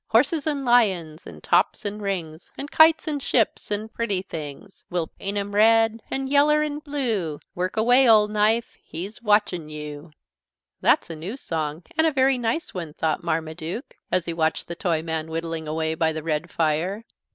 6 "Horses and lions, An' tops and rings, An' kites and ships, An' pretty things. 7 "We'll paint 'em red An' yeller an' blue. Work away, ole knife, He's watchin' you!" That's a new song and a very nice one, thought Marmaduke, as he watched the Toyman whittling away by the red fire.